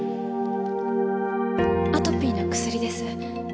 アトピーの薬です。